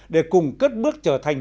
để cùng cất bước trở thành